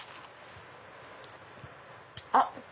あっ！